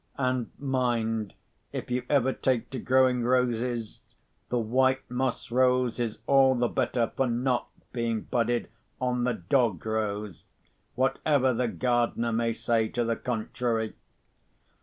"And mind, if you ever take to growing roses, the white moss rose is all the better for not being budded on the dog rose, whatever the gardener may say to the contrary!"